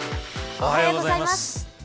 おはようございます。